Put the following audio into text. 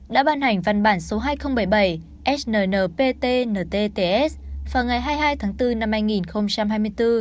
đã ban hành văn bản số hai nghìn bảy mươi bảy snnpt ntts vào ngày hai mươi hai tháng bốn năm hai nghìn hai mươi bốn